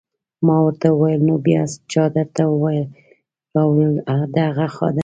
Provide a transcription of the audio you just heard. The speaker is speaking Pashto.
ما ورته وویل: نو بیا چا درته راوړل؟ د هغه خادم.